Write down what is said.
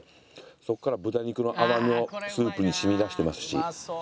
そこから豚肉の甘みもスープに染み出してますし。